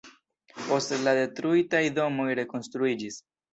Poste la detruitaj domoj rekonstruiĝis.